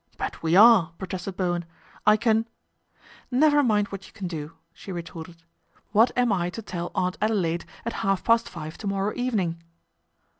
" But we are," protested Bowen. " I can "" Never mind what you can do," she retorted. " What am I to tell Aunt Adelaide at half past five to morrow evening